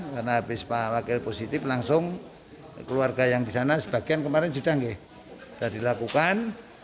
karena habis pak wakil positif langsung keluarga yang di sana sebagian kemarin sudah dilakukan